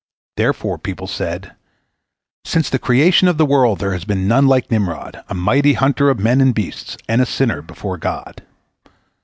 Therefore people said, "Since the creation of the world there has been none like Nimrod, a mighty hunter of men and beasts, and a sinner before God."